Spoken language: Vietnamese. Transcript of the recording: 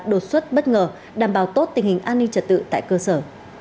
đột xuất bất ngờ đảm bảo tốt tình hình an ninh trật tự tại cơ sở